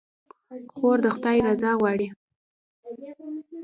خور د خدای رضا غواړي.